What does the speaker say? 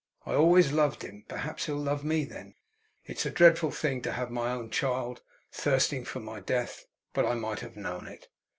I always loved him; perhaps he'll love me then. It's a dreadful thing to have my own child thirsting for my death. But I might have known it.